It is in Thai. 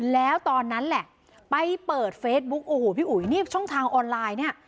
แล้วตอนนั้นแหละไปเปิดเฟซบุ๊กโอ้โหพี่อุ๋ยนี่ช่องทางออนไลน์เนี่ย